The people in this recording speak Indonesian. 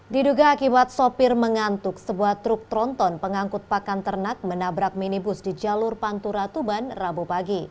diduga akibat sopir mengantuk sebuah truk tronton pengangkut pakan ternak menabrak minibus di jalur pantura tuban rabu pagi